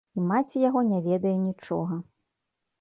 І маці яго не ведае нічога.